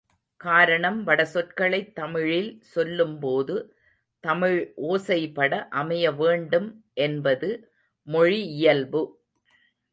காரணம் வட சொற்களைத் தமிழில் சொல்லும்போது தமிழ் ஒசைபட அமைய வேண்டும் என்பது மொழியியல்பு.